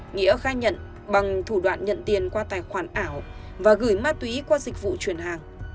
nghĩa khai nhận bằng thủ đoạn nhận tiền qua tài khoản ảo và gửi ma túy qua dịch vụ chuyển hàng